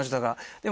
でも。